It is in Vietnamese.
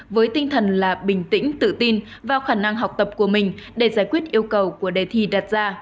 với tinh thần là bình tĩnh tự tin vào khả năng học tập của mình để giải quyết yêu cầu của đề thi đặt ra